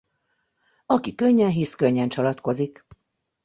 Aki könnyen hisz, könnyen csalatkozik.